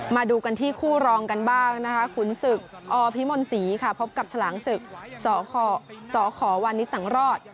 มาดูกันที่คู่รองกันบ้างนะคะขุนศึกอพิมนศรีค่ะพบกับฉลามศึกสขวานิสสังรอด